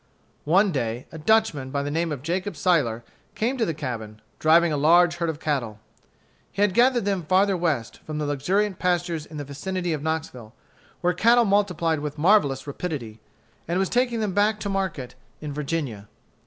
One day, a Dutchman by the name of Jacob Siler came to the cabin, driving a large herd of cattle. He had gathered them farther west, from the luxuriant pastures in the vicinity of Knoxville, where cattle multiplied with marvellous rapidity, and was taking them back to market in Virginia.